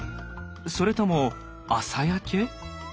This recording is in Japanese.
それとも朝焼け？